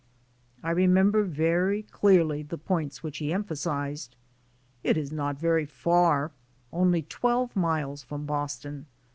I remember very clearly the points which he empha sized: "It is not very far, only twelve miles from Boston.